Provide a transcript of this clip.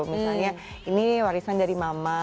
misalnya ini warisan dari mama